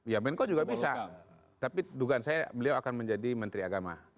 ya menko juga bisa tapi dugaan saya beliau akan menjadi menteri agama